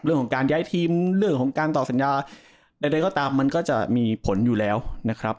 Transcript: เรื่องของการย้ายทีมเรื่องของการต่อสัญญาใดก็ตามมันก็จะมีผลอยู่แล้วนะครับ